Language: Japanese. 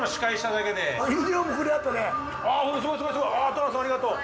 トランさんありがとう。